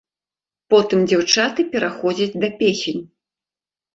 Потым дзяўчаты пераходзяць да песень.